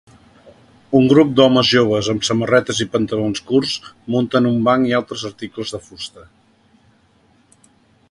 Un grup d'homes joves amb samarretes i pantalons curts munten un banc i altres articles de fusta.